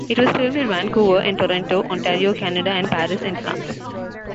It was filmed in Vancouver and Toronto, Ontario, Canada and Paris, France.